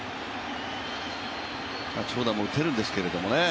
長打も打てるんですけれどもね。